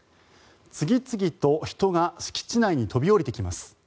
次々と人が敷地内に飛び降りてきます。